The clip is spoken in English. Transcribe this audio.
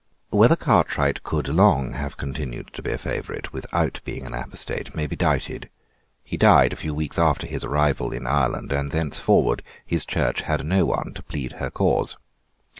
Whether Cartwright could long have continued to be a favourite without being an apostate may be doubted. He died a few weeks after his arrival in Ireland; and thenceforward his church had no one to plead her cause.